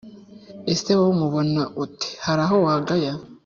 Ese wowe umubona ute haraho wagaya